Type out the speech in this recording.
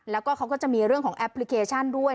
แล้วก็เขาก็จะมีเรื่องของแอปพลิเคชันด้วย